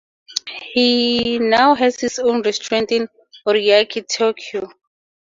He now has his own restaurant in Ariake, Tokyo.